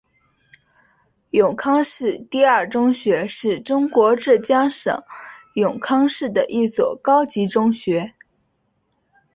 永康市第二中学是中国浙江省永康市的一所高级中学。